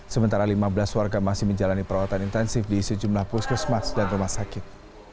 sementara lima belas warga masih menjalani perawatan intensif di sejumlah puskesmas dan rumah sakit